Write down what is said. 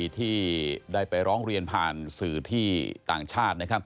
ที่ได้ไปร้องเรียนผ่านสื่อที่ต่างชาติ